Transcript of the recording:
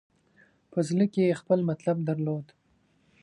په زړه کې یې خپل مطلب درلود.